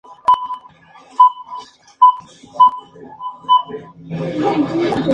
En aquella temporada alternó en un total de tres partidos.